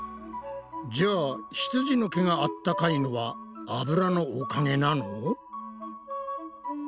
じゃあひつじの毛があったかいのはあぶらのおかげなの？